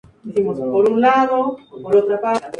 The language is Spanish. Más tarde acudió a la Universidad de Greifswald en Pomerania.